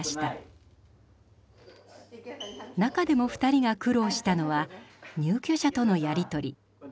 中でも２人が苦労したのは入居者とのやり取り。